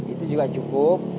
itu juga cukup